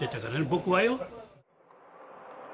僕はよ。